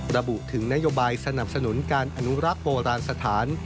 ระบุถึงนโยบายสนับสนุนการอนุรักษ์โบราณสถาน